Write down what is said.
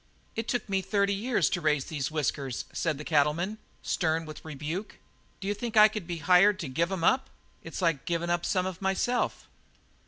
"It took me thirty years to raise them whiskers," said the cattleman, stern with rebuke. "D'you think I could be hired to give 'em up? It's like givin' up some of myself."